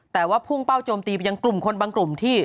แต่ว่าพุ่งเป้าโจมตีไปยังกลุ่มคนบางกลุ่มที่